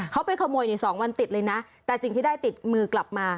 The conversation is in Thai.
เขาไปขโมยเนี่ย๒วันติดเลยนะแต่สิ่งที่ได้ติดมือกลับมา